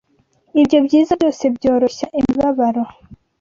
Ibyo byiza byose byoroshya imibabaro